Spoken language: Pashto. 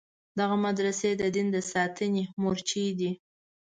دغه مدرسې د دین د ساتنې مورچې دي.